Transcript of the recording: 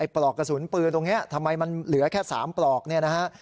ปลอกกระสุนปืนตรงนี้ทำไมมันเหลือแค่๓ปลอกเนี่ยนะฮะ